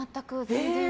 全然。